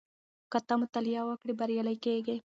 که ته مطالعه وکړې بریالی کېږې.